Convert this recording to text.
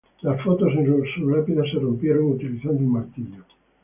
Las fotos en su lápida se rompieron utilizando un martillo.